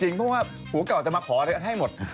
จริงเพราะว่าหัวเก่าจะมาขออะไรกันให้หมด